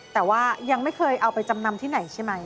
แต่ว่ายังไม่เคยเอาไปจำนำที่ไหนใช่ไหม